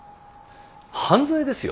犯罪ですよ